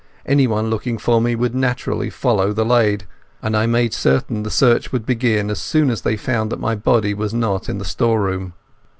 Anyone looking for me would naturally follow the lade, and I made certain the search would begin as soon as they found that my body was not in the storeroom.